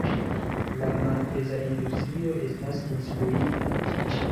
La malpeza industrio estas incluita?